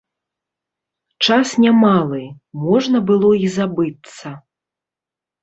Час немалы, можна было і забыцца.